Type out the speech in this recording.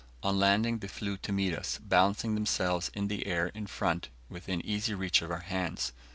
On landing, they flew to meet us, balancing themselves in the air in front, within easy reach of our hands.